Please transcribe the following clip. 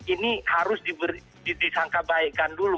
ini harus disangka baikkan dulu